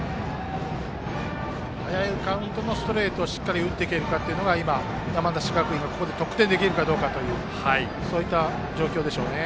カウントのストレートをしっかり打っていけるかが山梨学院がここで得点できるかどうかという状況でしょうね。